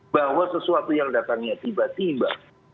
bahwa sesuatu yang datangnya tiba tiba